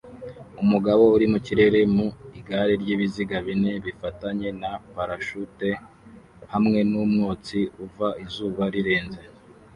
Umugabo uri mu kirere mu igare ry’ibiziga bine bifatanye na parasute hamwe n’umwotsi uva izuba rirenze